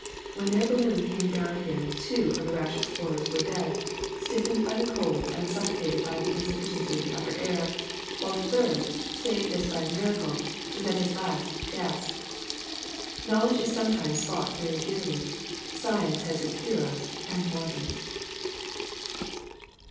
When their balloon came down again two of the rash 328 THE SECRET OF EVERYDAY THINGS explorers were dead, stiffened by the cold and suf focated by the insufficiency of the upper air, while the third, saved as by a miracle, was at his last gasp. Knowledge is sometimes bought very dearly. Sci ence has its heroes and martyrs.''